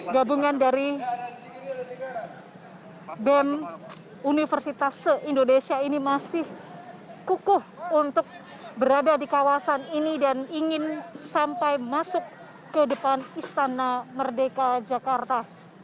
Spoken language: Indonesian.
gabungan dari bem universitas se indonesia ini masih kukuh untuk berada di kawasan ini dan ingin sampai masuk ke depan istana merdeka jakarta